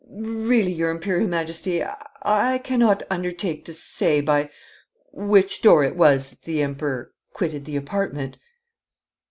'Really, your Imperial Majesty, I cannot undertake to say by which door it was that the Emperor quitted the apartment.'